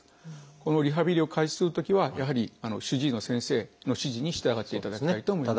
このリハビリを開始するときはやはり主治医の先生の指示に従っていただきたいと思います。